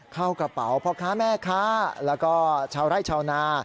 เข้ากระเป๋าพ่อค้าแม่ค้าแล้วก็ชาวไร่ชาวนา